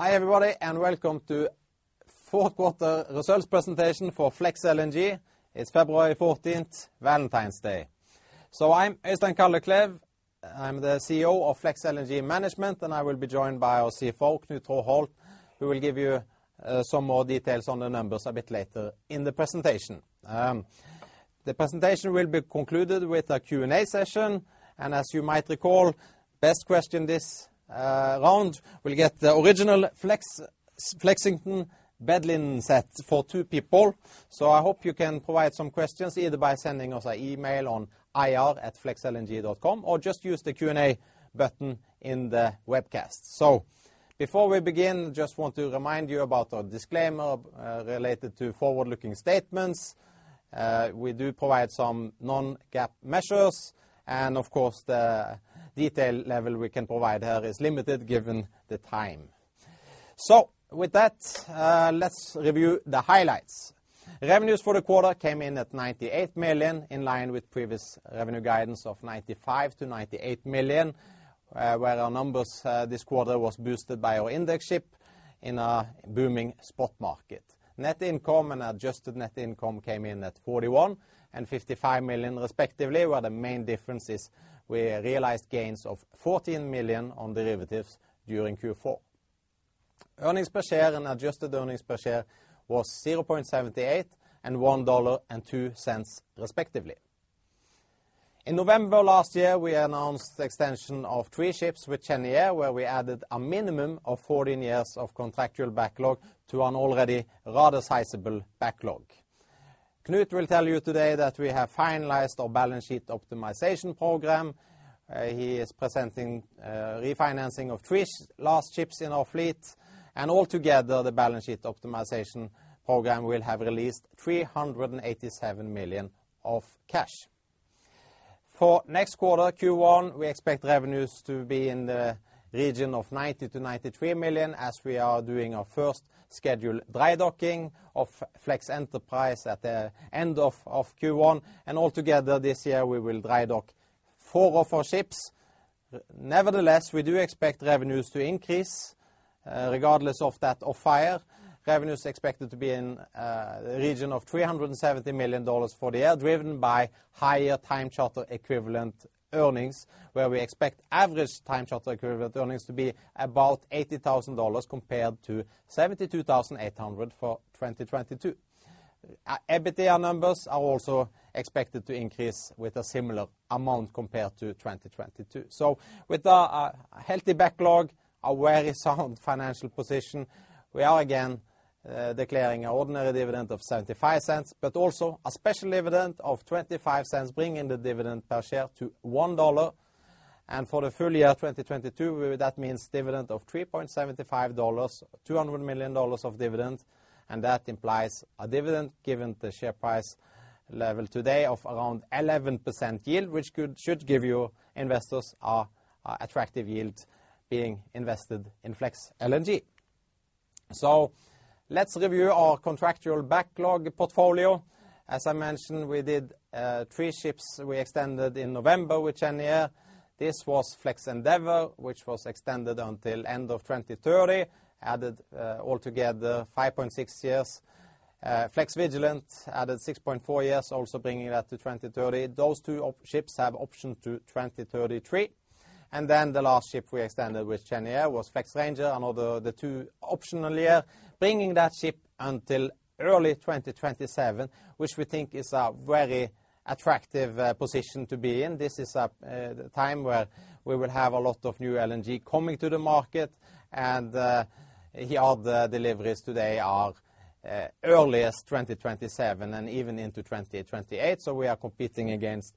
Hi, everybody, and welcome to fourth quarter results presentation for Flex LNG. It's February 14th, Valentine's Day. I'm Øystein Kalleklev. I'm the CEO of Flex LNG Management, and I will be joined by our CFO, Knut Traaholt, who will give you some more details on the numbers a bit later in the presentation. The presentation will be concluded with a Q&A session. As you might recall, best question this round will get the original Flexington bed linen set for two people. I hope you can provide some questions either by sending us an email on ir@flexlng.com or just use the Q&A button in the webcast. Before we begin, just want to remind you about our disclaimer related to forward-looking statements. We do provide some non-GAAP measures, and of course, the detail level we can provide here is limited given the time. With that, let's review the highlights. Revenues for the quarter came in at $98 million, in line with previous revenue guidance of $95 million-$98 million, where our numbers this quarter was boosted by our index ship in a booming spot market. Net income and adjusted net income came in at $41 million and $55 million, respectively, where the main difference is we realized gains of $14 million on derivatives during Q4. Earnings per share and adjusted earnings per share was $0.78 and $1.02 respectively. In November last year, we announced the extension of three ships with Cheniere, where we added a minimum of 14 years of contractual backlog to an already rather sizable backlog. Knut will tell you today that we have finalized our balance sheet optimization program. He is presenting refinancing of three last ships in our fleet. Altogether, the balance sheet optimization program will have released $387 million of cash. For next quarter, Q1, we expect revenues to be in the region of $90 million-$93 million as we are doing our first scheduled dry docking of Flex Enterprise at the end of Q1. Altogether this year, we will dry dock four of our ships. Nevertheless, we do expect revenues to increase, regardless of that of fire. Revenue is expected to be in a region of $370 million for the year, driven by higher time charter equivalent earnings, where we expect average time charter equivalent earnings to be about $80,000 compared to $72,800 for 2022. EBITDA numbers are also expected to increase with a similar amount compared to 2022. With a healthy backlog, a very sound financial position, we are again declaring an ordinary dividend of $0.75, but also a special dividend of $0.25, bringing the dividend per share to $1. For the full year 2022, that means dividend of $3.75, $200 million of dividend, that implies a dividend, given the share price level today, of around 11% yield, which should give you investors a attractive yield being invested in Flex LNG. Let's review our contractual backlog portfolio. As I mentioned, we did three ships we extended in November with Cheniere. This was Flex Endeavor, which was extended until end of 2030, added altogether 5.6 years. Flex Vigilant added 6.4 years, also bringing that to 2030. Those two ships have option to 2033. The last ship we extended with Cheniere was Flex Ranger, another the two optional year, bringing that ship until early 2027, which we think is a very attractive position to be in. This is a time where we will have a lot of new LNG coming to the market and yard deliveries today are earliest 2027 and even into 2028. We are competing against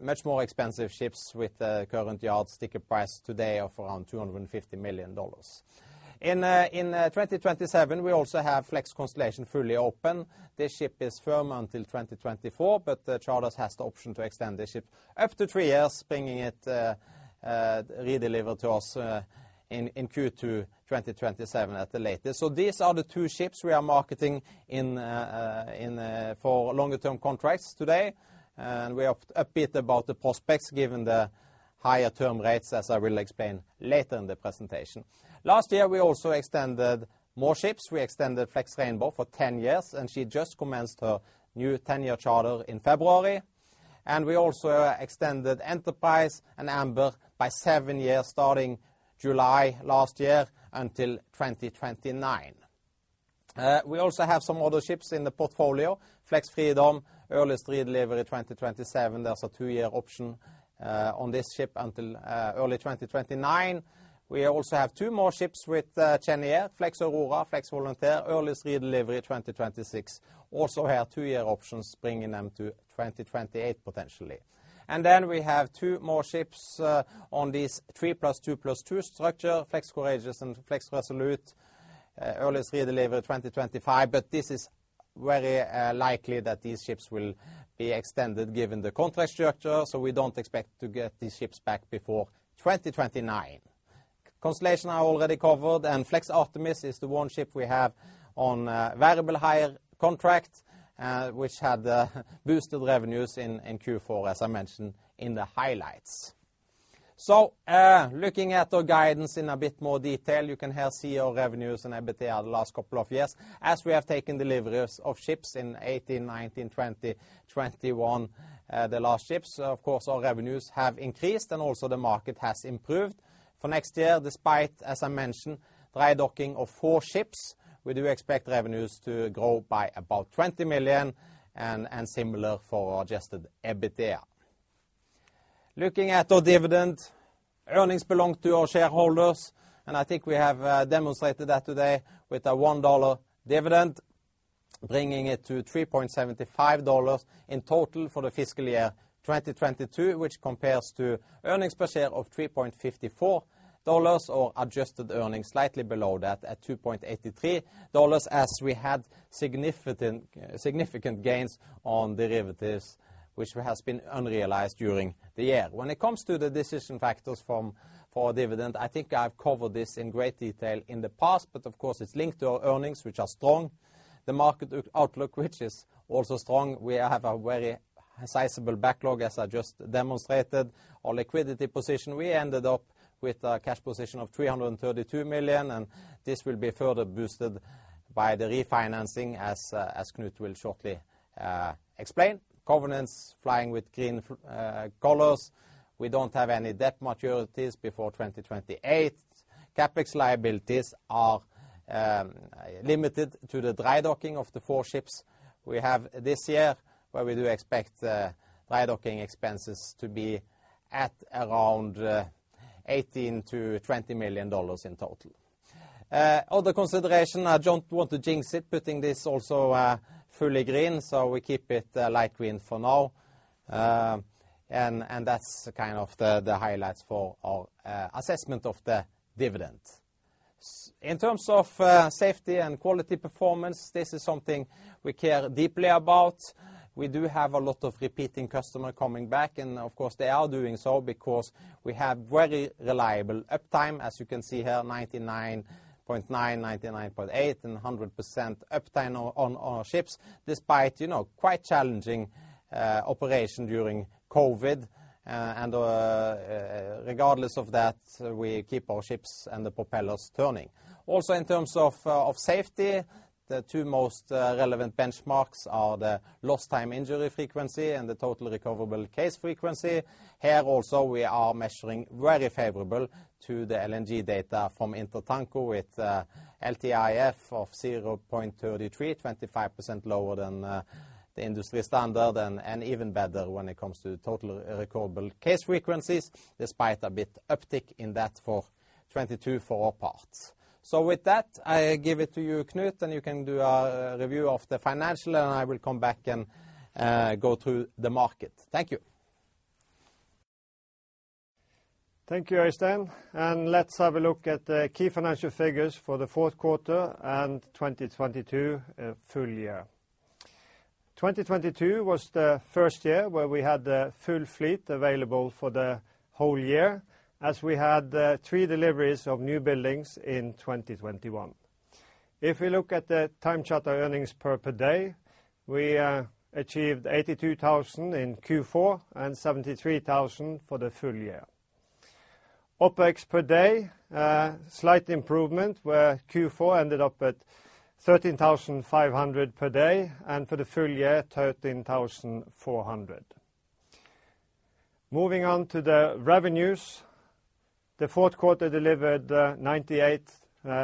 much more expensive ships with the current yard sticker price today of around $250 million. In 2027, we also have Flex Constellation fully open. This ship is firm until 2024, but the charters has the option to extend the ship after three years, bringing it redelivered to us in Q2 2027 at the latest. These are the two ships we are marketing for longer term contracts today, and we are upbeat about the prospects given the higher term rates, as I will explain later in the presentation. Last year, we also extended more ships. We extended Flex Rainbow for 10 years, she just commenced her new 10-year charter in February. We also extended Flex Enterprise and Flex Amber by 7 years starting July last year until 2029. We also have some other ships in the portfolio. Flex Freedom, earliest redelivery 2027. There's a 2-year option on this ship until early 2029. We also have 2 more ships with Cheniere, Flex Aurora, Flex Volunteer, earliest redelivery 2026. Also have 2-year options, bringing them to 2028 potentially. We have 2 more ships on this 3 plus 2 plus 2 structure, Flex Courageous and Flex Resolute, earliest redelivery 2025. This is very likely that these ships will be extended given the contract structure, we don't expect to get these ships back before 2029. Constellation I already covered. Flex Artemis is the one ship we have on a variable hire contract, which had boosted revenues in Q4, as I mentioned in the highlights. Looking at our guidance in a bit more detail, you can here see our revenues and EBITDA the last couple of years as we have taken deliveries of ships in 2018, 2019, 2020, 2021, the last ships. Of course, our revenues have increased, and also the market has improved. For next year, despite, as I mentioned, dry docking of four ships, we do expect revenues to grow by about $20 million and similar for Adjusted EBITDA. Looking at our dividend, earnings belong to our shareholders. I think we have demonstrated that today with a $1 dividend, bringing it to $3.75 in total for the fiscal year 2022, which compares to earnings per share of $3.54, or adjusted earnings slightly below that at $2.83 as we had significant gains on derivatives which has been unrealized during the year. When it comes to the decision factors for dividend, I think I've covered this in great detail in the past. Of course it's linked to our earnings, which are strong. The market outlook, which is also strong, we have a very sizable backlog, as I just demonstrated. Our liquidity position, we ended up with a cash position of $332 million, and this will be further boosted by the refinancing as Knut will shortly explain. Covenants flying with green colors. We don't have any debt maturities before 2028. CapEx liabilities are limited to the dry docking of the four ships we have this year, where we do expect dry docking expenses to be at around $18 million-$20 million in total. Other consideration, I don't want to jinx it, putting this also fully green, so we keep it light green for now. That's kind of the highlights for our assessment of the dividend. In terms of safety and quality performance, this is something we care deeply about. We do have a lot of repeating customer coming back, and of course they are doing so because we have very reliable uptime. As you can see here, 99.9, 99.8, and 100% uptime on our ships, despite, you know, quite challenging operation during COVID. Regardless of that, we keep our ships and the propellers turning. Also, in terms of safety, the two most relevant benchmarks are the lost time injury frequency and the total recoverable case frequency. Here also, we are measuring very favorable to the LNG data from INTERTANKO with LTIF of 0.33, 25% lower than the industry standard and even better when it comes to total recoverable case frequencies, despite a bit uptick in that for 2022 for our parts. With that, I give it to you, Knut, and you can do a review of the financial and I will come back and go through the market. Thank you. Thank you, Øystein. Let's have a look at the key financial figures for the fourth quarter and 2022 full year. 2022 was the first year where we had the full fleet available for the whole year as we had three deliveries of newbuildings in 2021. If we look at the time charter earnings per day, we achieved $82,000 in Q4 and $73,000 for the full year. OpEx per day, slight improvement, where Q4 ended up at $13,500 per day, and for the full year, $13,400. Moving on to the revenues. The fourth quarter delivered $98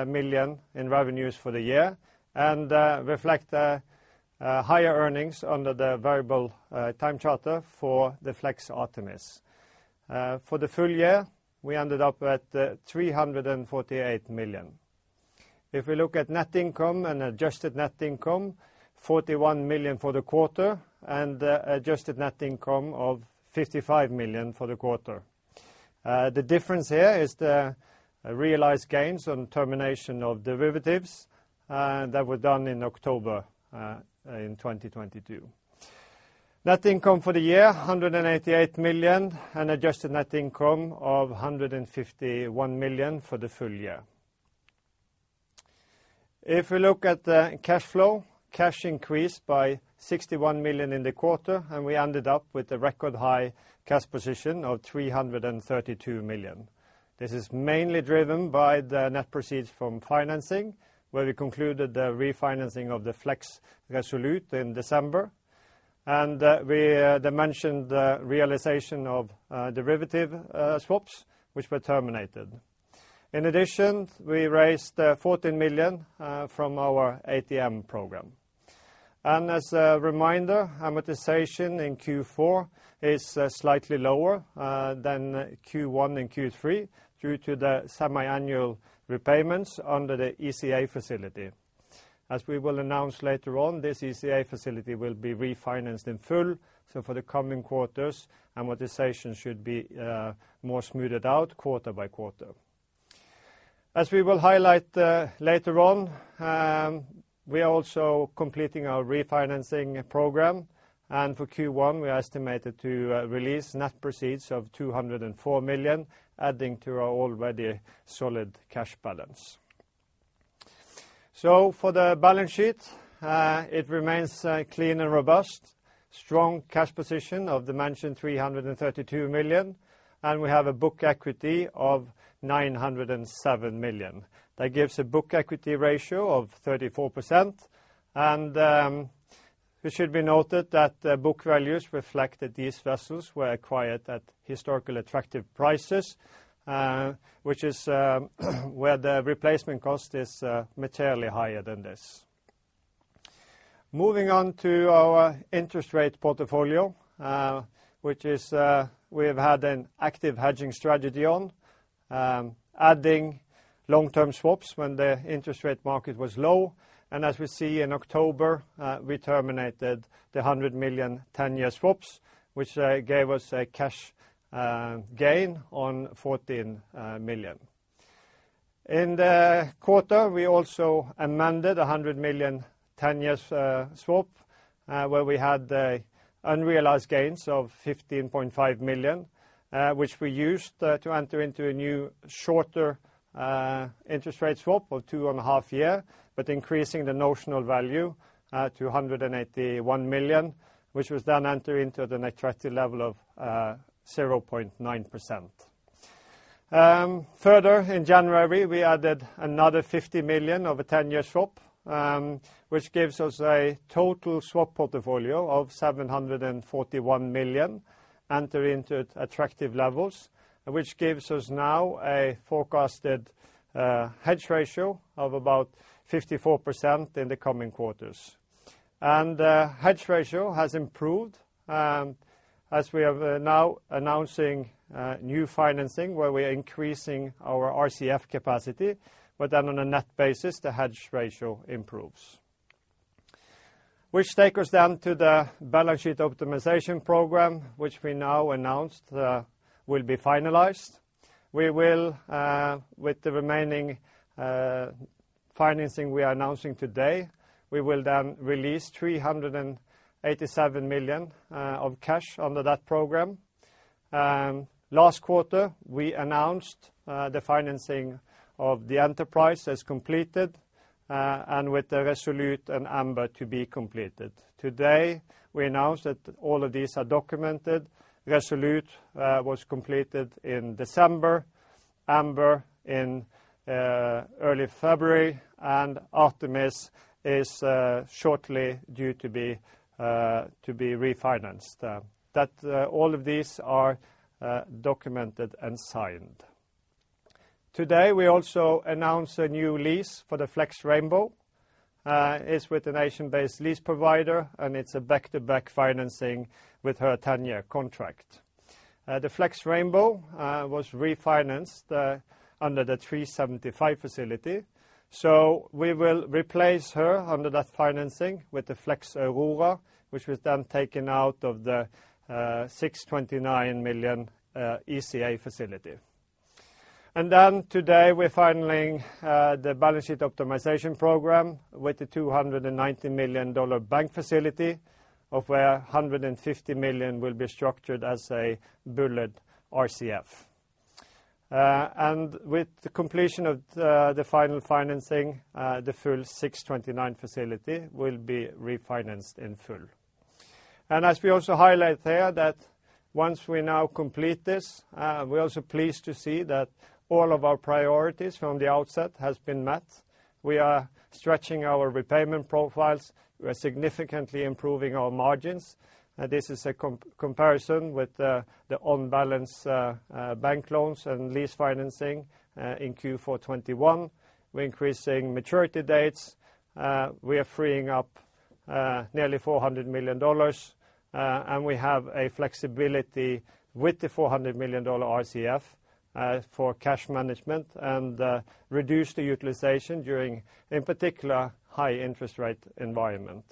million in revenues for the year and reflect a higher earnings under the variable time charter for the Flex Artemis. For the full year, we ended up at $348 million. If we look at net income and adjusted net income, $41 million for the quarter and adjusted net income of $55 million for the quarter. The difference here is the realized gains on termination of derivatives that were done in October in 2022. Net income for the year, $188 million, and adjusted net income of $151 million for the full year. If we look at the cash flow, cash increased by $61 million in the quarter, and we ended up with a record high cash position of $332 million. This is mainly driven by the net proceeds from financing, where we concluded the refinancing of the Flex Resolute in December. We dimensioned the realization of derivative swaps which were terminated. In addition, we raised $14 million from our ATM program. As a reminder, amortization in Q4 is slightly lower than Q1 and Q3 due to the semiannual repayments under the ECA facility. As we will announce later on, this ECA facility will be refinanced in full. For the coming quarters, amortization should be more smoothed out quarter by quarter. As we will highlight later on, we are also completing our refinancing program, and for Q1, we are estimated to release net proceeds of $204 million, adding to our already solid cash balance. For the balance sheet, it remains clean and robust. Strong cash position of the mentioned $332 million, and we have a book equity of $907 million. That gives a book equity ratio of 34%. It should be noted that the book values reflect that these vessels were acquired at historical attractive prices, which is where the replacement cost is materially higher than this. Moving on to our interest rate portfolio, which is we have had an active hedging strategy on adding long-term swaps when the interest rate market was low. As we see in October, we terminated the $100 million ten-year swaps, which gave us a cash gain on $14 million. In the quarter, we also amended a $100 million 10 years swap, where we had the unrealized gains of $15.5 million, which we used to enter into a new shorter interest rate swap of two and a half year, but increasing the notional value to $181 million, which was then enter into at an attractive level of 0.9%. Further, in January, we added another $50 million of a 10-year swap, which gives us a total swap portfolio of $741 million enter into attractive levels, which gives us now a forecasted hedge ratio of about 54% in the coming quarters. The hedge ratio has improved, as we are now announcing new financing where we are increasing our RCF capacity, but then on a net basis, the hedge ratio improves, which takes us down to the Balance Sheet Optimization Program, which we now announced will be finalized. We will, with the remaining financing we are announcing today, we will then release $387 million of cash under that program. Last quarter, we announced the financing of the Flex Enterprise as completed, and with the Flex Resolute and Flex Amber to be completed. Today, we announced that all of these are documented. Flex Resolute was completed in December, Flex Amber in early February, and Flex Artemis is shortly due to be to be refinanced. That all of these are documented and signed. Today, we also announce a new lease for the Flex Rainbow. It's with an Asian-based lease provider, and it's a back-to-back financing with her 10-year contract. The Flex Rainbow was refinanced under the $375 million facility. We will replace her under that financing with the Flex Aurora, which was then taken out of the $629 million ECA facility. Today, we're filing the balance sheet optimization program with the $290 million bank facility of where $150 million will be structured as a bullet RCF. With the completion of the final financing, the full $629 million facility will be refinanced in full. As we also highlight here that once we now complete this, we are also pleased to see that all of our priorities from the outset has been met. We are stretching our repayment profiles. We are significantly improving our margins. This is a comparison with the on-balance bank loans and lease financing in Q4 2021. We're increasing maturity dates. We are freeing up nearly $400 million, and we have a flexibility with the $400 million RCF for cash management and reduce the utilization during, in particular, high interest rate environment.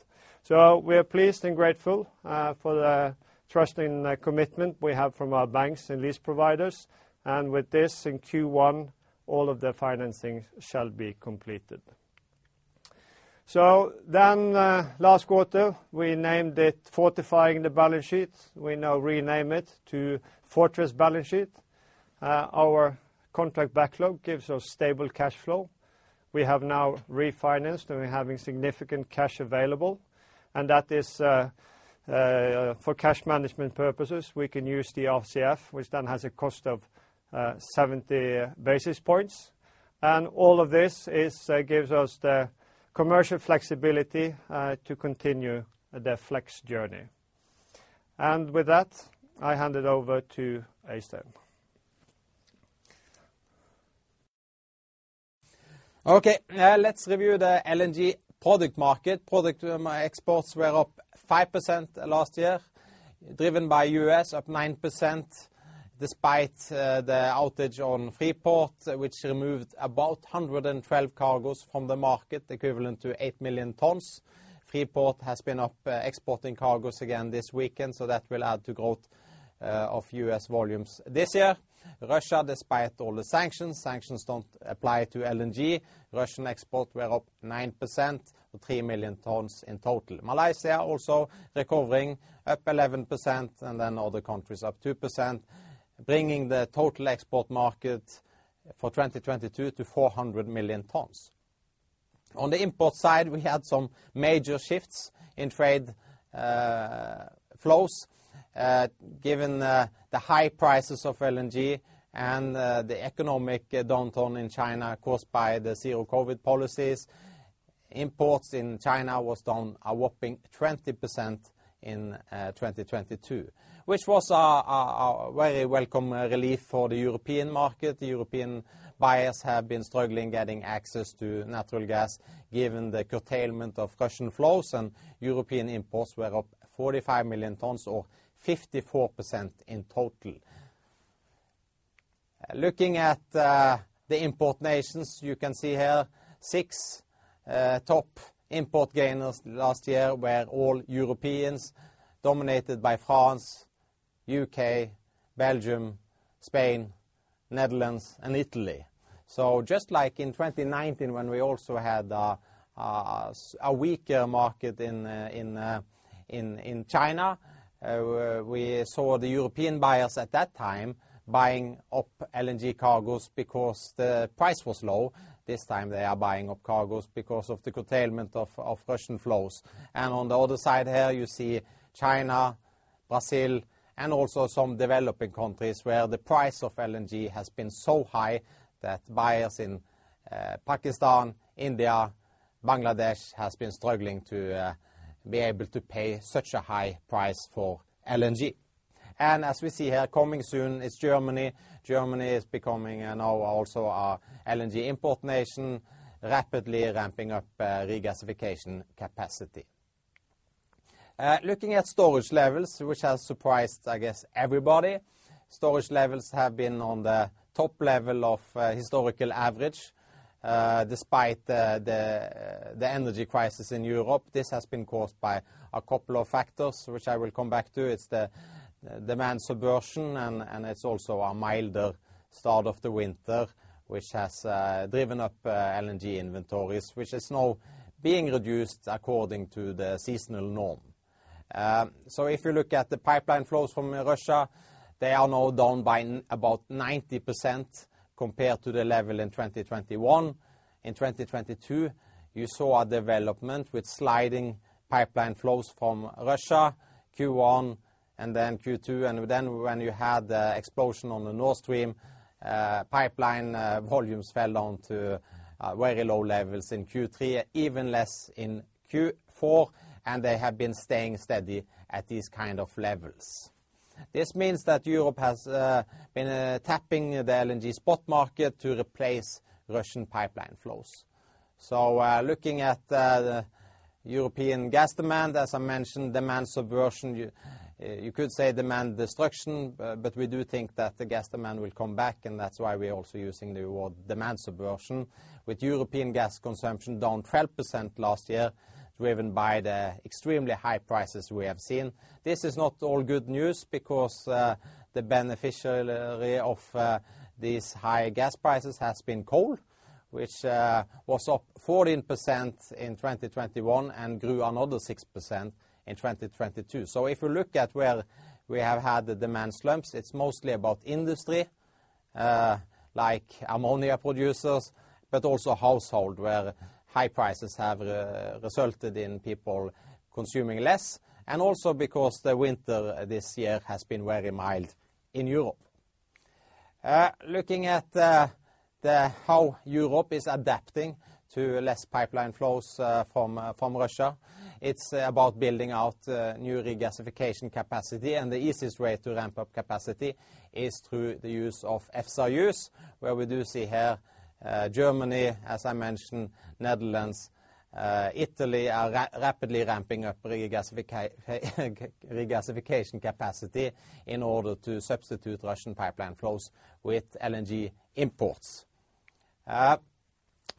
We are pleased and grateful for the trust and commitment we have from our banks and lease providers. With this in Q1, all of the financing shall be completed. Last quarter, we named it Fortifying the Balance Sheet. We now rename it to Fortress Balance Sheet. Our contract backlog gives us stable cash flow. We have now refinanced and we're having significant cash available, and that is for cash management purposes. We can use the RCF, which then has a cost of 70 basis points. All of this is gives us the commercial flexibility to continue the Flex journey. With that, I hand it over to Oystein. Okay. Let's review the LNG product market. Product, exports were up 5% last year, driven by U.S. up 9% despite the outage on Freeport, which removed about 112 cargos from the market, equivalent to 8 million tons. Freeport has been up, exporting cargos again this weekend, so that will add to growth of U.S. volumes this year. Russia, despite all the sanctions don't apply to LNG. Russian export were up 9%, or 3 million tons in total. Malaysia also recovering up 11%, and then other countries up 2%, bringing the total export market for 2022 to 400 million tons. On the import side, we had some major shifts in trade flows. Given the high prices of LNG and the economic downturn in China caused by the zero COVID policies, imports in China was down a whopping 20% in 2022. Which was a very welcome relief for the European market. The European buyers have been struggling getting access to natural gas given the curtailment of Russian flows and European imports were up 45 million tons or 54% in total. Looking at the import nations, you can see here six top import gainers last year were all Europeans, dominated by France, UK, Belgium, Spain, Netherlands, and Italy. Just like in 2019 when we also had a weaker market in China, we saw the European buyers at that time buying up LNG cargos because the price was low. This time they are buying up cargoes because of Russian flows. On the other side here, you see China, Brazil, and also some developing countries where the price of LNG has been so high that buyers in Pakistan, India, Bangladesh has been struggling to be able to pay such a high price for LNG. As we see here, coming soon is Germany. Germany is becoming now also a LNG import nation, rapidly ramping up regasification capacity. Looking at storage levels, which has surprised, I guess everybody, storage levels have been on the top level of historical average, despite the energy crisis in Europe. This has been caused by a couple of factors, which I will come back to. It's the demand subversion and it's also a milder start of the winter, which has driven up LNG inventories, which is now being reduced according to the seasonal norm. If you look at the pipeline flows from Russia, they are now down by about 90% compared to the level in 2021. In 2022, you saw a development with sliding pipeline flows from Russia, Q1 and then Q2, and then when you had the explosion on the Nord Stream pipeline, volumes fell down to very low levels in Q3, even less in Q4, and they have been staying steady at these kind of levels. This means that Europe has been tapping the LNG spot market to replace Russian pipeline flows. Looking at the European gas demand, as I mentioned, demand subversion, you could say demand destruction, but we do think that the gas demand will come back, and that's why we're also using the word demand subversion. With European gas consumption down 12% last year, driven by the extremely high prices we have seen. This is not all good news because the beneficiary of these high gas prices has been coal, which was up 14% in 2021 and grew another 6% in 2022. If you look at where we have had the demand slumps, it's mostly about industry, like ammonia producers, but also household, where high prices have resulted in people consuming less, and also because the winter this year has been very mild in Europe. Looking at how Europe is adapting to less pipeline flows from Russia, it's about building out new regasification capacity. The easiest way to ramp up capacity is through the use of FSRUs, where we do see here Germany, as I mentioned, Netherlands, Italy are rapidly ramping up regasification capacity in order to substitute Russian pipeline flows with LNG imports. The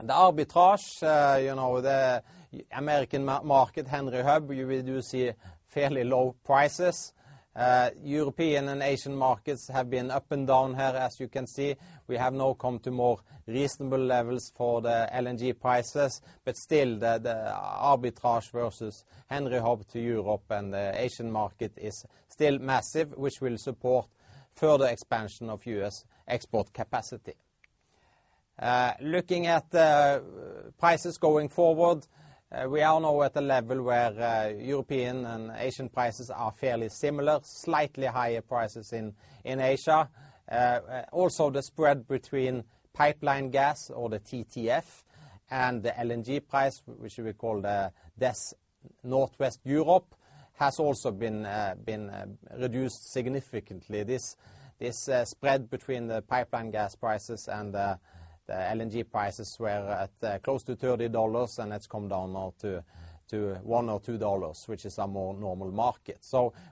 arbitrage, you know, the American market Henry Hub, you will do see fairly low prices. European and Asian markets have been up and down here, as you can see. We have now come to more reasonable levels for the LNG prices, still the arbitrage versus Henry Hub to Europe and the Asian market is still massive, which will support further expansion of US export capacity. Looking at the prices going forward, we are now at a level where European and Asian prices are fairly similar, slightly higher prices in Asia. Also the spread between pipeline gas or the TTF and the LNG price, which we call the DES Northwest Europe, has also been reduced significantly. This spread between the pipeline gas prices and the LNG prices were at close to $30, and it's come down now to $1 or $2, which is a more normal market.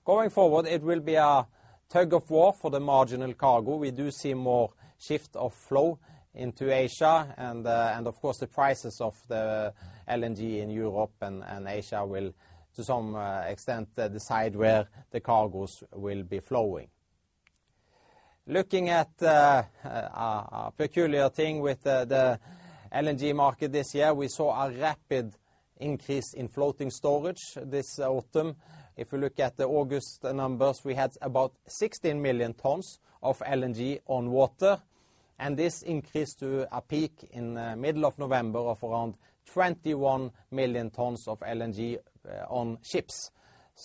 Going forward, it will be a tug-of-war for the marginal cargo. We do see more shift of flow into Asia and of course the prices of the LNG in Europe and Asia will, to some extent, decide where the cargos will be flowing. Looking at a peculiar thing with the LNG market this year, we saw a rapid increase in floating storage this autumn. If you look at the August numbers, we had about 16 million tons of LNG on water, and this increased to a peak in middle of November of around 21 million tons of LNG on ships.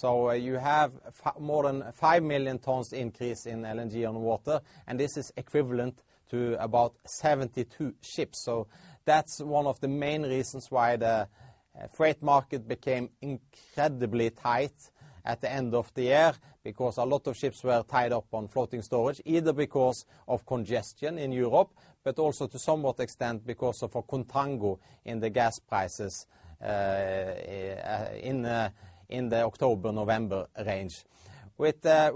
You have more than 5 million tons increase in LNG on water, and this is equivalent to about 72 ships. That's one of the main reasons why the freight market became incredibly tight at the end of the year, because a lot of ships were tied up on floating storage, either because of congestion in Europe, but also to somewhat extent because of a contango in the gas prices in the October-November range. With the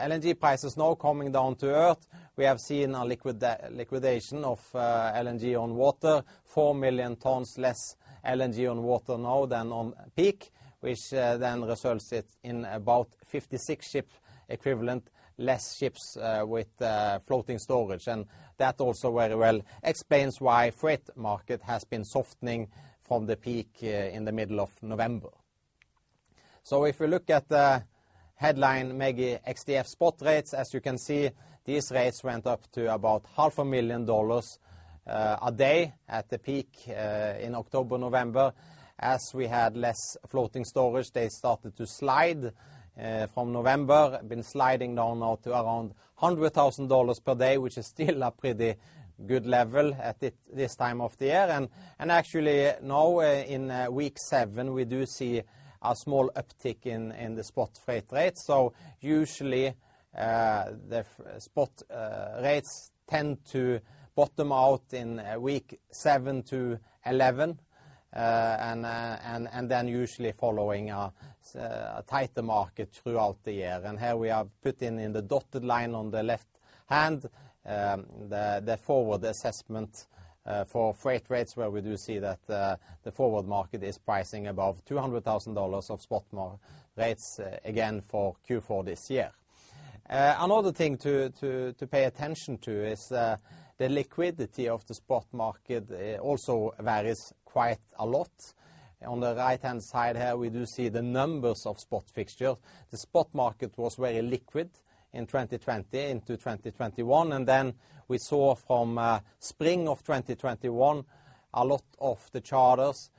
LNG prices now coming down to earth, we have seen a liquidation of LNG on water, 4 million tons less LNG on water now than on peak, which then results it in about 56 ship equivalent less ships with floating storage. That also very well explains why freight market has been softening from the peak in the middle of November. If we look at the headline MEGI X-DF spot rates, as you can see, these rates went up to about half a million dollars a day at the peak in October-November. As we had less floating storage, they started to slide from November, been sliding down now to around $100,000 per day, which is still a pretty good level at this time of the year. Actually now in week seven, we do see a small uptick in the spot freight rates. Usually, the spot rates tend to bottom out in week 7-1, and then usually following a tighter market throughout the year. Here we are putting in the dotted line on the left hand, the forward assessment for freight rates, where we do see that the forward market is pricing above $200,000 of spot rates again for Q4 this year. Another thing to pay attention to is the liquidity of the spot market also varies quite a lot. On the right-hand side here, we do see the numbers of spot fixtures. The spot market was very liquid in 2020 into 2021. We saw from spring of 2021, a lot of the charters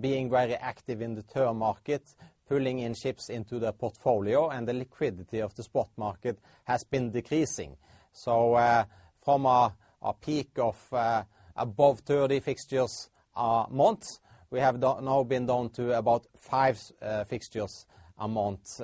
being very active in the term market, pulling in ships into the portfolio, and the liquidity of the spot market has been decreasing. From a peak of above 30 fixtures a month, we have now been down to about five fixtures a month. Most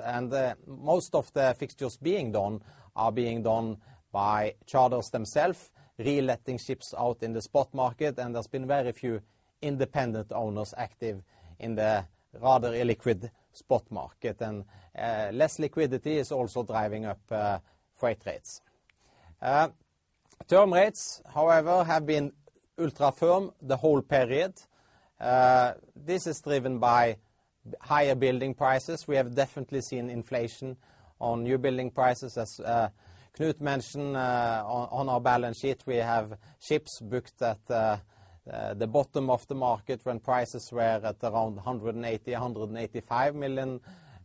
of the fixtures being done are being done by charters themselves, reletting ships out in the spot market, and there's been very few independent owners active in the rather illiquid spot market. Less liquidity is also driving up freight rates. Term rates, however, have been ultra-firm the whole period. This is driven by higher building prices. We have definitely seen inflation on new building prices. As Knut mentioned, on our balance sheet, we have ships booked at the bottom of the market when prices were at around $180 million-$185 million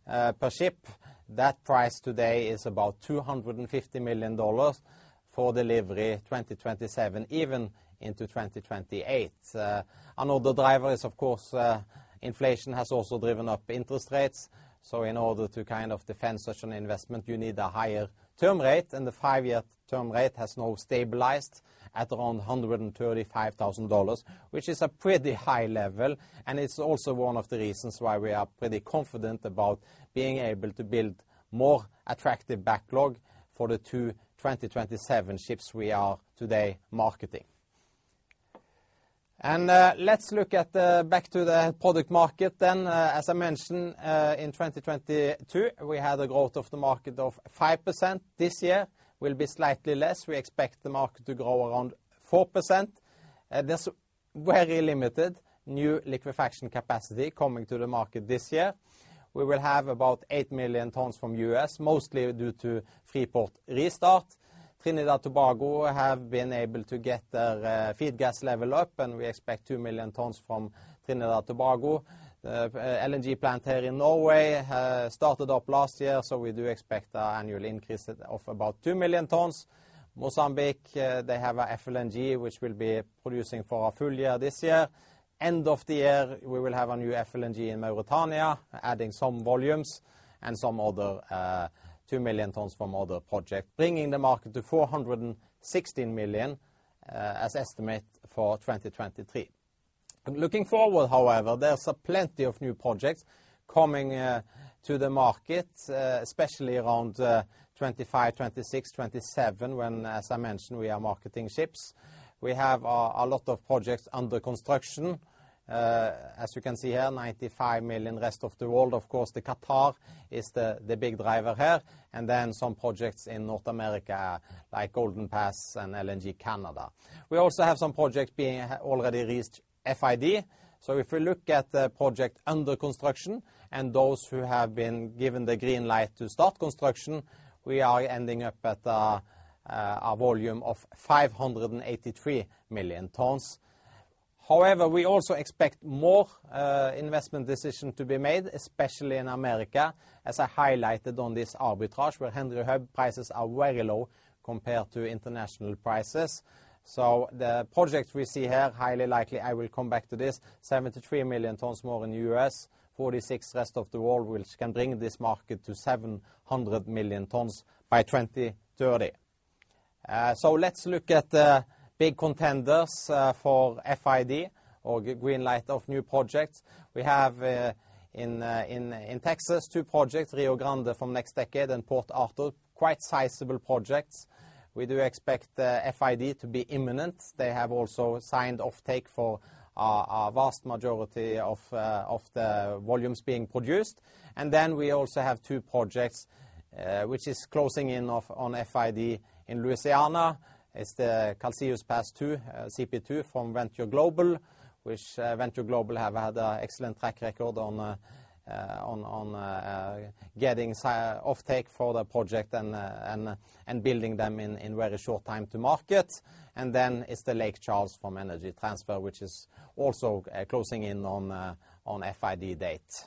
per ship. That price today is about $250 million for delivery 2027, even into 2028. Another driver is, of course, inflation has also driven up interest rates. In order to kind of defend such an investment, you need a higher term rate, and the five-year term rate has now stabilized at around $135,000, which is a pretty high level. It's also one of the reasons why we are pretty confident about being able to build more attractive backlog for the two 2027 ships we are today marketing. Let's look at back to the product market then. As I mentioned, in 2022, we had a growth of the market of 5%. This year will be slightly less. We expect the market to grow around 4%. There's very limited new liquefaction capacity coming to the market this year. We will have about 8 million tons from U.S., mostly due to Freeport restart. Trinidad Tobago have been able to get their feed gas level up, and we expect 2 million tons from Trinidad Tobago. LNG plant here in Norway has started up last year, so we do expect a annual increase of about 2 million tons. Mozambique, they have a FLNG which will be producing for a full year this year. End of the year, we will have a new FLNG in Mauritania, adding some volumes and some other, 2 million tons from other project, bringing the market to 416 million, as estimate for 2023. Looking forward, however, there's a plenty of new projects coming to the market, especially around 2025, 2026, 2027, when, as I mentioned, we are marketing ships. We have a lot of projects under construction. As you can see here, 95 million rest of the world. Of course, the Qatar is the big driver here. Some projects in North America like Golden Pass and LNG Canada. We also have some projects already reached FID. If we look at the project under construction and those who have been given the green light to start construction, we are ending up at a volume of 583 million tons. We also expect more investment decision to be made, especially in America, as I highlighted on this arbitrage, where Henry Hub prices are very low compared to international prices. The projects we see here, highly likely I will come back to this, 73 million tons more in the US, 46 rest of the world, which can bring this market to 700 million tons by 2030. Let's look at the big contenders for FID or greenlight of new projects. We have in Texas, two projects, Rio Grande from NextDecade and Port Arthur, quite sizable projects. We do expect the FID to be imminent. They have also signed offtake for a vast majority of the volumes being produced. We also have two projects which is closing in on FID in Louisiana. It's the Calcasieu Pass Two, CP2 from Venture Global, which Venture Global have had excellent track record on getting offtake for the project and building them in very short time to market. It's the Lake Charles from Energy Transfer, which is also closing in on FID date.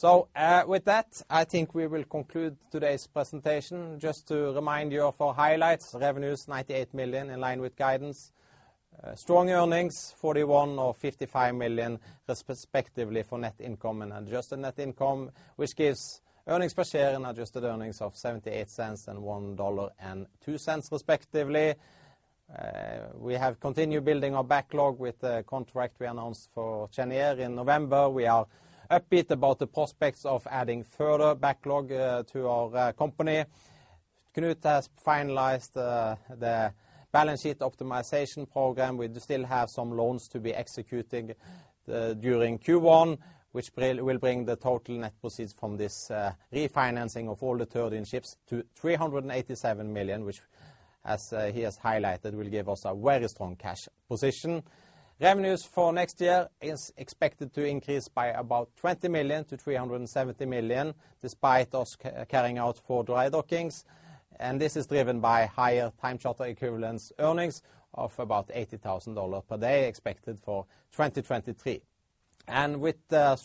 With that, I think we will conclude today's presentation. Just to remind you of our highlights, revenues $98 million, in line with guidance. Strong earnings, $41 million or $55 million respectively for net income and adjusted net income, which gives earnings per share and adjusted earnings of $0.78 and $1.02 respectively. We have continued building our backlog with the contract we announced for Cheniere in November. We are upbeat about the prospects of adding further backlog to our company. Knut has finalized the balance sheet optimization program. We still have some loans to be executing during Q1, which will bring the total net proceeds from this refinancing of all the 13 ships to $387 million, which as he has highlighted, will give us a very strong cash position. Revenues for next year is expected to increase by about $20 million-$370 million, despite us carrying out four dry dockings. This is driven by higher time charter equivalent earnings of about $80,000 per day expected for 2023. With the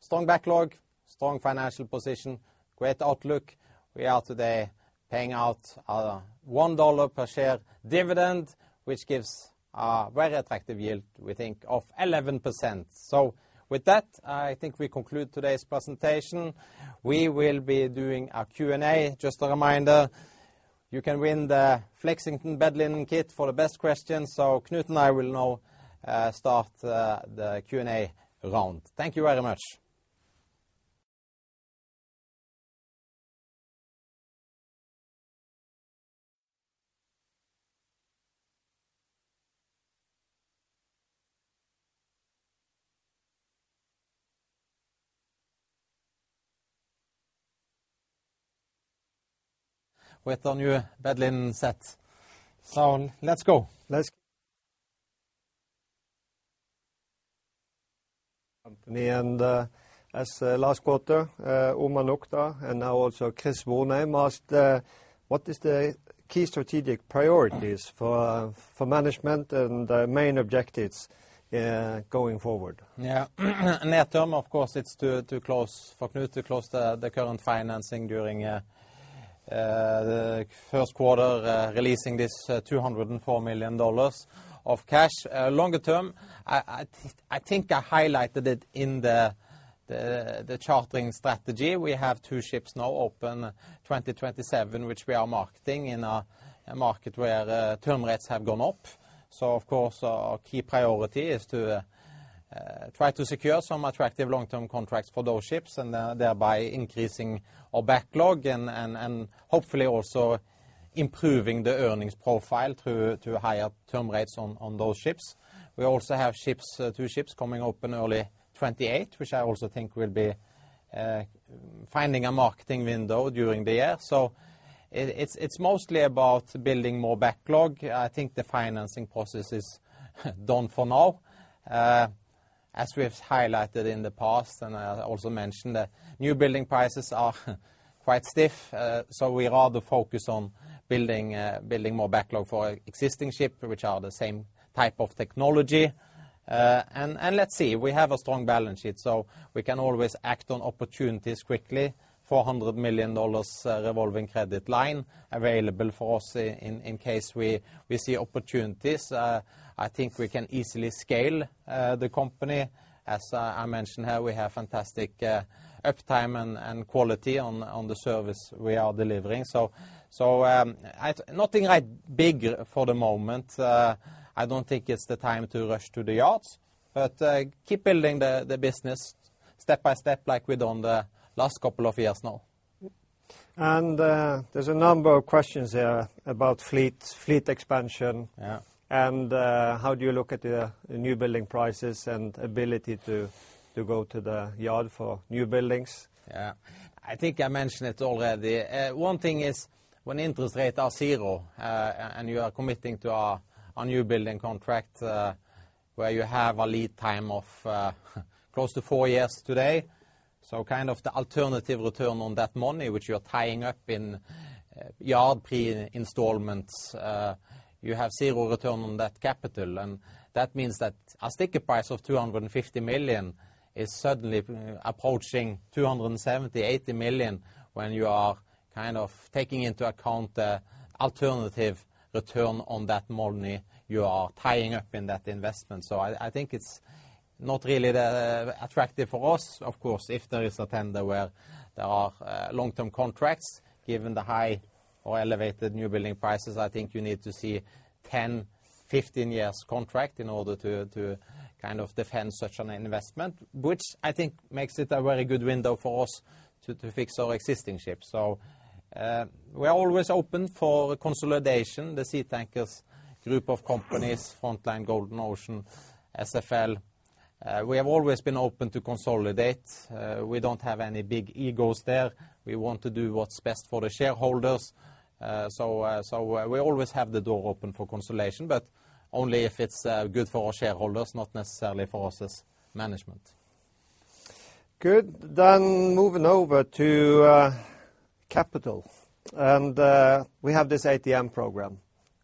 strong backlog, strong financial position, great outlook, we are today paying out a $1 per share dividend, which gives a very attractive yield, we think, of 11%. With that, I think we conclude today's presentation. We will be doing a Q&A. Just a reminder, you can win the Flexington bed linen kit for the best question. Knut and I will now start the Q&A round. Thank you very much. With our new bed linen set. Let's go. Let's company and as last quarter, Omar Nokta and now also Chris Woolname asked, what is the key strategic priorities for management and main objectives going forward? Yeah. Near term, of course, it's to close for Knut to close the current financing during the first quarter, releasing this $204 million of cash. Longer term, I think I highlighted it in the chartering strategy. We have two ships now open 2027, which we are marketing in a market where term rates have gone up. Of course, our key priority is to try to secure some attractive long-term contracts for those ships, and thereby increasing our backlog and hopefully also improving the earnings profile through higher term rates on those ships. We also have ships, two ships coming open early 2028, which I also think will be finding a marketing window during the year. It's mostly about building more backlog. I think the financing process is done for now. As we have highlighted in the past, and I also mentioned, new building prices are quite stiff, so we rather focus on building more backlog for existing ship, which are the same type of technology. Let's see. We have a strong balance sheet, so we can always act on opportunities quickly. $400 million revolving credit line available for us in case we see opportunities. I think we can easily scale the company. As I mentioned here, we have fantastic uptime and quality on the service we are delivering. Nothing like big for the moment. I don't think it's the time to rush to the yards, but keep building the business step by step like we've done the last couple of years now. There's a number of questions here about fleet expansion. Yeah. How do you look at the new building prices and ability to go to the yard for new buildings? Yeah. I think I mentioned it already. One thing is when interest rates are zero, and you are committing to a new building contract, where you have a lead time of close to four years today. Kind of the alternative return on that money which you are tying up in yard pre-installments, you have zero return on that capital. That means that a sticker price of $250 million is suddenly approaching $270 million-$280 million when you are kind of taking into account the alternative return on that money you are tying up in that investment. I think it's not really attractive for us. Of course, if there is a tender where there are long-term contracts, given the high or elevated new building prices, I think you need to see 10, 15 years contract in order to kind of defend such an investment, which I think makes it a very good window for us to fix our existing ships. We are always open for consolidation. The Seatankers group of companies, Frontline, Golden Ocean, SFL, we have always been open to consolidate. We don't have any big egos there. We want to do what's best for the shareholders. We always have the door open for consolidation, but only if it's good for our shareholders, not necessarily for us as management. Good. Moving over to capital. We have this ATM program.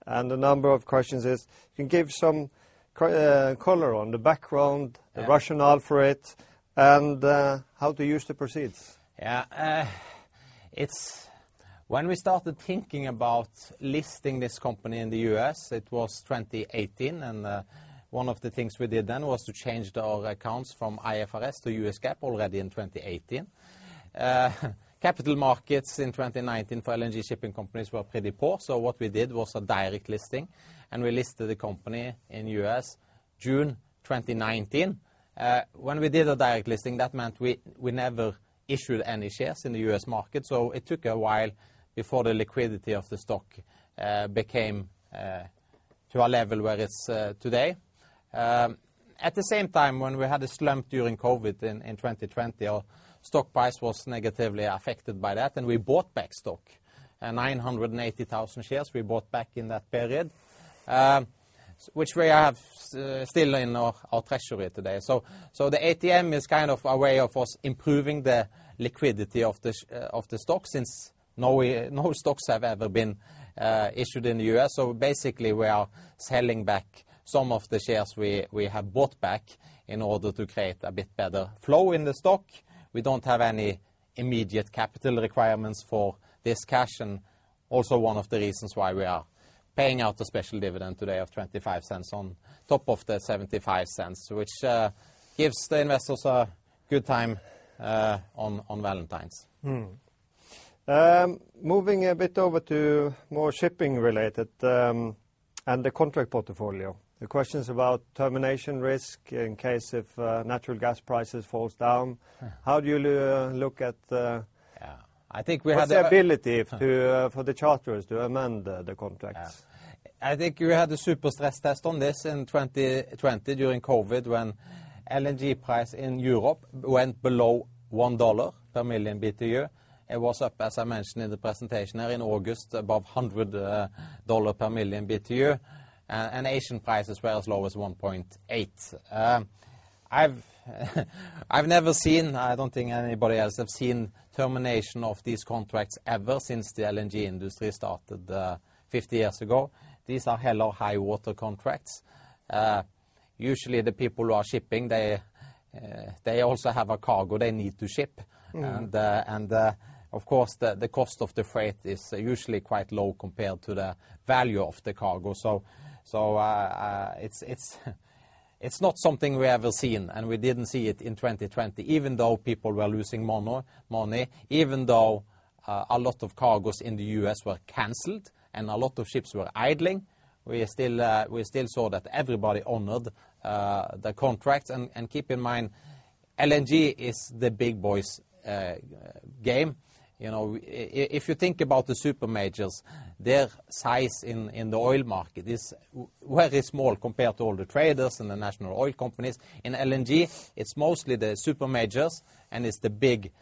A number of questions is can you give some color on the background? Yeah. the rationale for it and how to use the proceeds? Yeah. When we started thinking about listing this company in the US, it was 2018, one of the things we did then was to change all accounts from IFRS to US GAAP already in 2018. Capital markets in 2019 for LNG shipping companies were pretty poor, what we did was a direct listing, we listed the company in US June 2019. When we did a direct listing, that meant we never issued any shares in the US market, it took a while before the liquidity of the stock became to a level where it's today. At the same time, when we had a slump during COVID in 2020, our stock price was negatively affected by that, we bought back stock. 980,000 shares we bought back in that period, which we have still in our treasury today. The ATM is kind of a way of us improving the liquidity of the stock since no stocks have ever been issued in the U.S. Basically we are selling back some of the shares we have bought back in order to create a bit better flow in the stock. We don't have any immediate capital requirements for this cash. Also one of the reasons why we are paying out the special dividend today of $0.25 on top of the $0.75, which gives the investors a good time on Valentine's. Moving a bit over to more shipping related, and the contract portfolio. The question's about termination risk in case if natural gas prices falls down. How do you look at? Yeah. I think we had. What's the ability to for the charters to amend the contracts? Yeah. I think we had a super stress test on this in 2020 during COVID when LNG price in Europe went below $1 per million BTU. It was up, as I mentioned in the presentation, in August above $100 per million BTU. Asian prices were as low as $1.8. I've never seen, I don't think anybody else have seen termination of these contracts ever since the LNG industry started, 50 years ago. These are hell or high water contracts. Usually the people who are shipping, they also have a cargo they need to ship. Of course, the cost of the freight is usually quite low compared to the value of the cargo. It's not something we have ever seen, and we didn't see it in 2020. Even though people were losing money, even though a lot of cargoes in the U.S. were canceled and a lot of ships were idling, we still saw that everybody honored the contracts. Keep in mind, LNG is the big boys' game. You know, if you think about the super majors, their size in the oil market is way small compared to all the traders and the national oil companies. In LNG, it's mostly the super majors and it's the big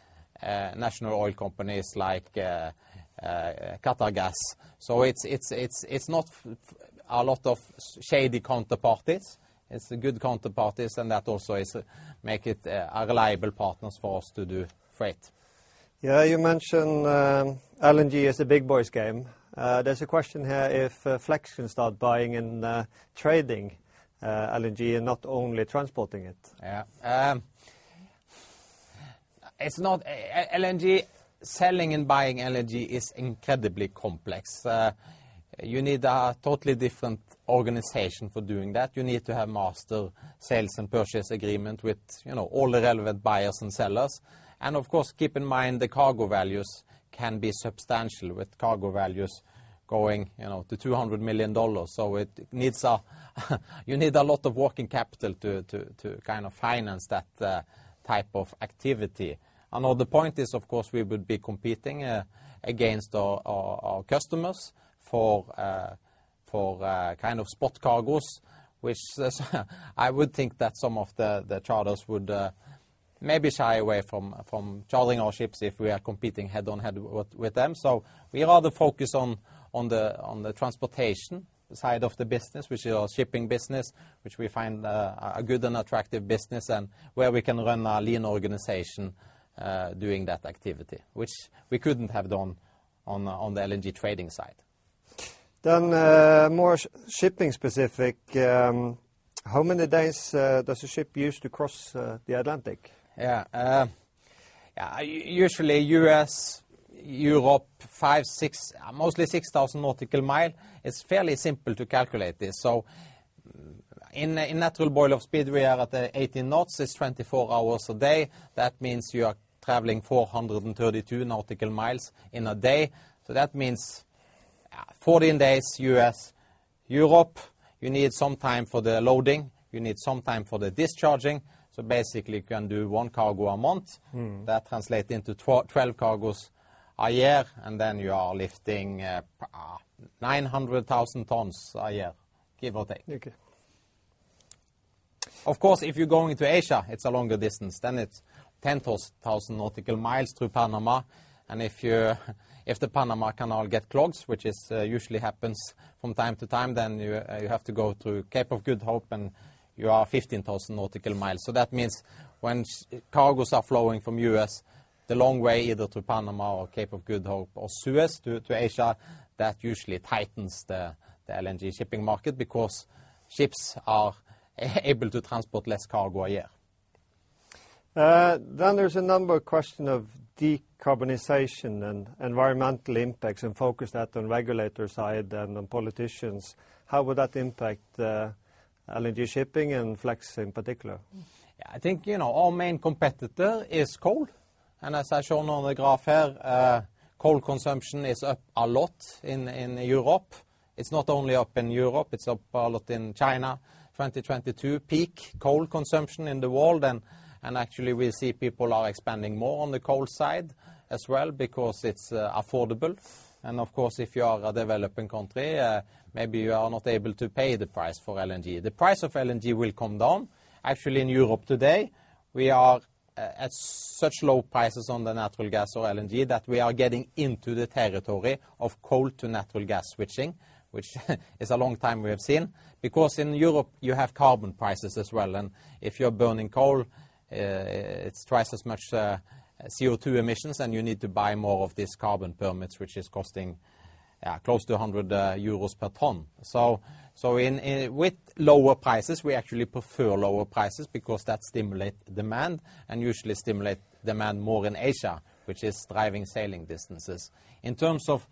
national oil companies like Qatargas. It's not a lot of shady counterparties. It's the good counterparties. That also make it a reliable partners for us to do freight. Yeah. You mentioned, LNG is the big boys' game. There's a question here if Flex can start buying and trading LNG and not only transporting it. LNG, selling and buying LNG is incredibly complex. You need a totally different organization for doing that. You need to have master sales and purchase agreement with, you know, all the relevant buyers and sellers. Of course, keep in mind the cargo values can be substantial, with cargo values going, you know, to $200 million. It needs a lot of working capital to kind of finance that type of activity. Another point is, of course, we would be competing against our customers for kind of spot cargos, which is I would think that some of the charters would maybe shy away from chartering our ships if we are competing head-on-head with them. We'd rather focus on the transportation side of the business, which is our shipping business, which we find a good and attractive business and where we can run a lean organization doing that activity, which we couldn't have done on the LNG trading side. More shipping specific, how many days does a ship use to cross the Atlantic? Usually US, Europe, 5, 6, mostly 6,000 nautical miles. It's fairly simple to calculate this. In natural boil-off speed, we are at 19 knots. It's 24 hours a day. That means you are traveling 432 nautical miles in a day. That means 14 days US, Europe. You need some time for the loading. You need some time for the discharging. Basically you can do 1 cargo a month. Translate into 12 cargos a year, and then you are lifting 900,000 tons a year, give or take. Okay. Of course, if you're going to Asia, it's a longer distance, then it's 10 thousand nautical miles to Panama. If you're, if the Panama Canal get clogged, which is usually happens from time to time, then you have to go through Cape of Good Hope, and you are 15 thousand nautical miles. That means when cargos are flowing from US, the long way either to Panama or Cape of Good Hope or Suez to Asia, that usually tightens the LNG shipping market because ships are able to transport less cargo a year. there's a number of question of decarbonization and environmental impacts and focus that on regulator side and on politicians. How would that impact, LNG shipping and Flex in particular? Yeah, I think, you know, our main competitor is coal. As I've shown on the graph here, coal consumption is up a lot in Europe. It's not only up in Europe, it's up a lot in China. 2022, peak coal consumption in the world. Actually, we see people are expanding more on the coal side as well because it's affordable. Of course, if you are a developing country, maybe you are not able to pay the price for LNG. The price of LNG will come down. Actually, in Europe today, we are at such low prices on the natural gas or LNG that we are getting into the territory of coal to natural gas switching, which is a long time we have seen. In Europe, you have carbon prices as well. If you're burning coal, it's twice as much CO2 emissions, and you need to buy more of these carbon permits, which is costing close to 100 euros per ton. With lower prices, we actually prefer lower prices because that stimulate demand and usually stimulate demand more in Asia, which is driving sailing distances. In terms of,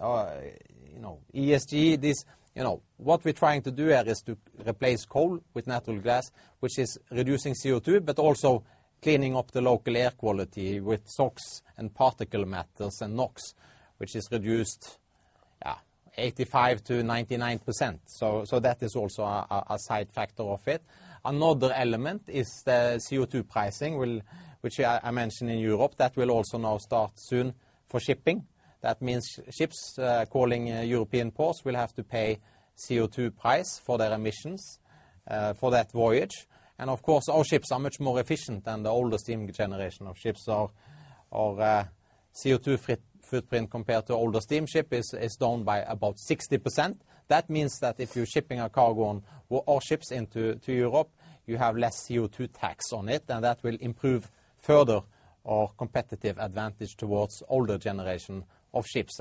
you know, ESG, this, you know, what we're trying to do here is to replace coal with natural gas, which is reducing CO2, but also cleaning up the local air quality with SOx and particle matters and NOx, which is reduced 85%-99%. That is also a side factor of it. Another element is the CO2 pricing will, which I mentioned in Europe, that will also now start soon for shipping. That means ships calling European ports will have to pay CO2 price for their emissions for that voyage. Of course, our ships are much more efficient than the older steam generation of ships. Our CO2 footprint compared to older steamship is down by about 60%. That means that if you're shipping a cargo on our ships into Europe, you have less CO2 tax on it, and that will improve further our competitive advantage towards older generation of ships.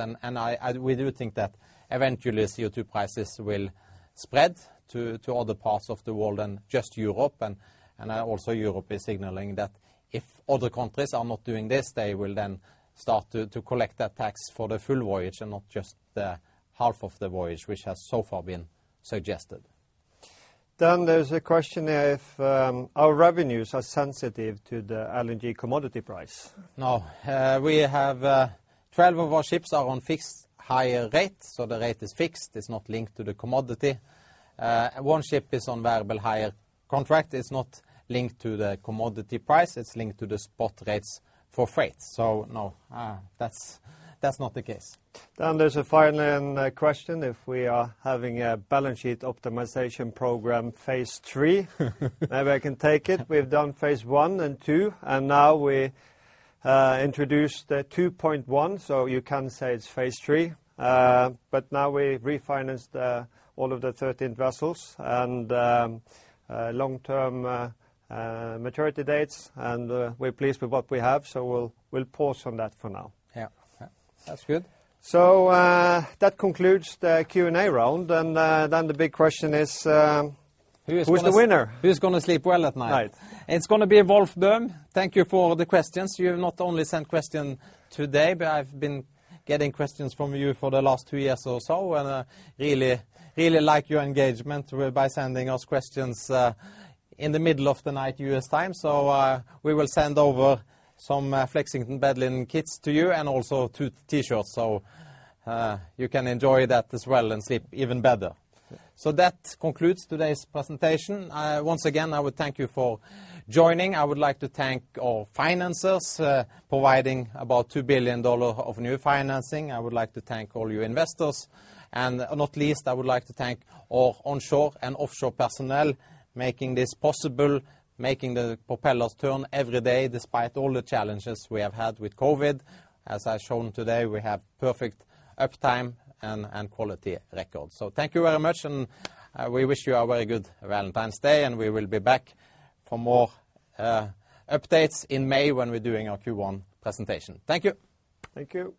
We do think that eventually CO2 prices will spread to other parts of the world than just Europe. Also Europe is signaling that if other countries are not doing this, they will then start to collect that tax for the full voyage and not just the half of the voyage, which has so far been suggested. There's a question if our revenues are sensitive to the LNG commodity price. No. We have 12 of our ships are on fixed higher rates, so the rate is fixed. It's not linked to the commodity. One ship is on variable higher contract. It's not linked to the commodity price. It's linked to the spot rates for freight. No, that's not the case. There's a final question if we are having a balance sheet optimization program phase III. Maybe I can take it. We've done phase I and II, and now we introduced 2.1, so you can say it's phase III. Now we refinanced all of the 13 vessels and long-term maturity dates, and we're pleased with what we have, so we'll pause on that for now. Yeah. Yeah. That's good. That concludes the Q&A round. The big question is. Who is gonna? Who's the winner? Who's gonna sleep well at night? Right. It's gonna be Wolf Böhm. Thank you for the questions. You have not only sent question today, but I've been getting questions from you for the last two years or so, and I really, really like your engagement by sending us questions in the middle of the night, US time. So, we will send over some Flexington bed linen kits to you and also two T-shirts, so, you can enjoy that as well and sleep even better. Yeah. That concludes today's presentation. Once again, I would thank you for joining. I would like to thank our financers, providing about $2 billion of new financing. I would like to thank all you investors. Not least, I would like to thank our onshore and offshore personnel making this possible, making the propellers turn every day despite all the challenges we have had with COVID. As I've shown today, we have perfect uptime and quality records. Thank you very much, and we wish you a very good Valentine's Day, and we will be back for more updates in May when we're doing our Q1 presentation. Thank you. Thank you.